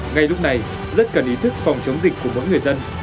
ngay lúc này rất cần ý thức phòng chống dịch của mỗi người dân